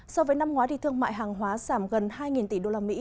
so với năm ngoái thương mại hàng hóa giảm gần hai tỷ usd